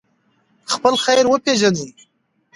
خپل خیر وپېژنئ.